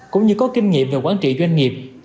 cũng như có kinh nghiệm về quản trị doanh nghiệp